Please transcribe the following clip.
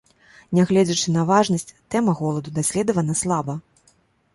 Нягледзячы на важнасць, тэма голаду даследавана слаба.